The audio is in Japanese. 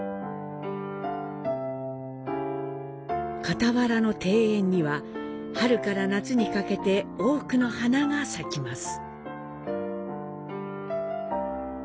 傍らの庭園には、春から夏にかけて多くの花が咲きます。